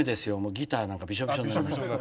ギターなんかビショビショになりますから。